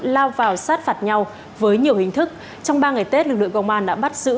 lao vào sát phạt nhau với nhiều hình thức trong ba ngày tết lực lượng công an đã bắt giữ